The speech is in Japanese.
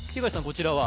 こちらは？